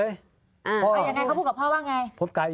ยังไงเขาพูดกับพ่อว่าไง